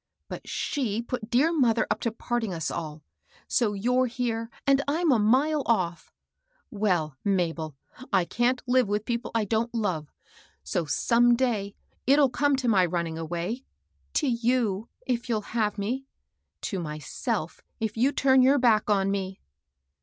But she put dear mother up to parting us all ; so you're here, and I'm a mile off. Well, Mabel, I can't live with peojde I don't love ; so some day it'll come to my running away, — to yo», if you'll have me, — to myndf^ if you turn your back on me."